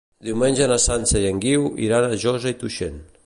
Diumenge na Sança i en Guiu iran a Josa i Tuixén.